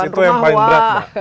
itu yang paling berat